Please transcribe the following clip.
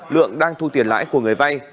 lượng đang thu tiền lãi của người vay